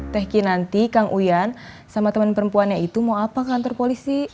teki nanti kang uyan sama temen perempuannya itu mau apa ke kantor polisi